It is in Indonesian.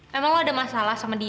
memang ada masalah sama dia